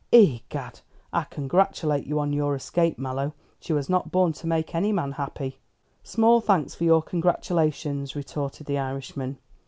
Egad, I congratulate you on your escape, Mallow. She was not born to make any man happy." "Small thanks for your congratulations," retorted the Irishman.